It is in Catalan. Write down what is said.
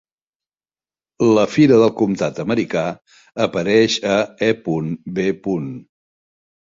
La fira del comtat americà apareix a E.B.